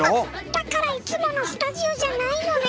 だからいつものスタジオじゃないのね。